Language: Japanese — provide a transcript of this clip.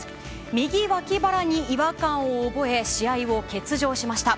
右わき腹に違和感を覚え試合を欠場しました。